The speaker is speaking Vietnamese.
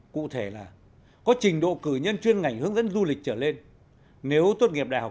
cụ thể là có trình độ cử nhân chuyên ngành hướng dẫn du lịch trở lên nếu tốt nghiệp đại học